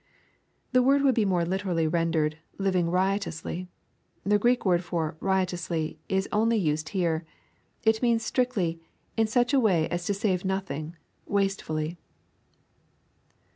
] The word would be more literally ren dered, " living riotously." The Greek word for " riotously," is only used here. It means strictly "in such a way as to save nothing, — wastefully."